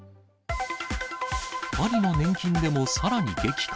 パリの年金デモさらに激化。